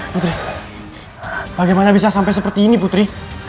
putri bagaimana bisa sampai seperti ini putri